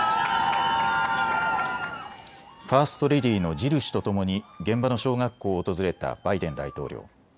ファースト・レディーのジル氏とともに現場の小学校を訪れたバイデン大統領。